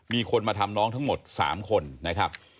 มีคนมาทำน้องทั้งหมด๓คนนะครับ